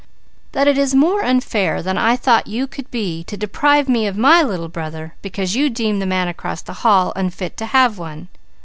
"That it is more unfair than I thought you could be, to deprive me of my Little Brother, because you deem the man across the hall unfit to have one.